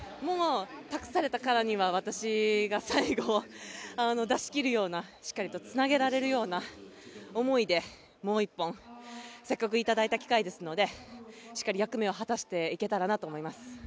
託されたからには私が最後出し切るようなしっかりとつなげられるような思いでもう１本せっかく頂いた機会ですのでしっかり役目を果たしていけたらなと思います。